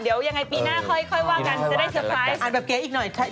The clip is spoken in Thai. เดี๋ยวยังไงปีหน้าค่อยว่ากันจะได้เซอร์ไพรส์